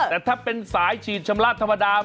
แต่ถ้าเป็นสายฉีดชำระธรรมดา